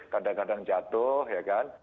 kadang kadang jatuh ya kan